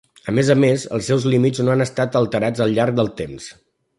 A més a més, els seus límits no han estat alterats al llarg del temps.